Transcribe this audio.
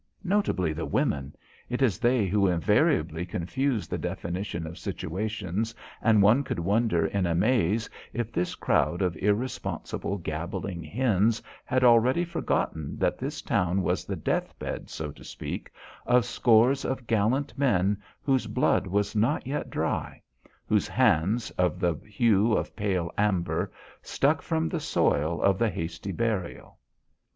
Notably the women; it is they who invariably confuse the definition of situations, and one could wonder in amaze if this crowd of irresponsible, gabbling hens had already forgotten that this town was the deathbed, so to speak, of scores of gallant men whose blood was not yet dry; whose hands, of the hue of pale amber, stuck from the soil of the hasty burial.